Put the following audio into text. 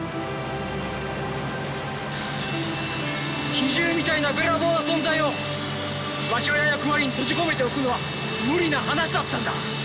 奇獣みたいなべらぼうな存在を場所や役割に閉じ込めておくのは無理な話だったんだ。